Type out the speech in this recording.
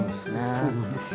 そうなんですよ。